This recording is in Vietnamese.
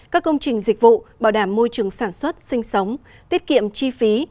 các công trình dịch vụ bảo đảm môi trường sản xuất sinh sống tiết kiệm chi phí